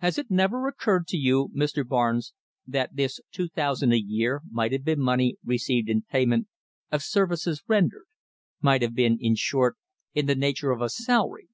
Has it never occurred to you, Mr. Barnes, that this two thousand a year might have been money received in payment of services rendered might have been, in short, in the nature of a salary?"